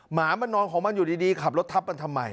หมามันนอนของมันอยู่ดีขับรถทับมันทำไม